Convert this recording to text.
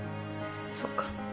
そっか。